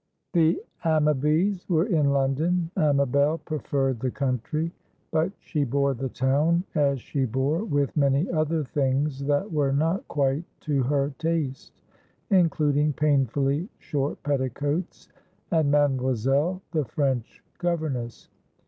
THE Ammabys were in London. Amabel preferred the country; but she bore the town as she bore with many other things that were not quite to her taste, including painfully short petticoats, and Mademoiselle, the French governess.